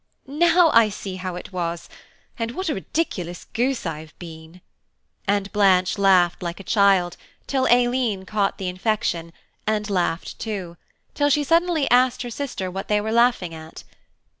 Now I see how it was and what a ridiculous goose I have been"; and Blanche laughed like a child, till Aileen caught the infection, and laughed too, till she suddenly asked her sister what they were laughing at.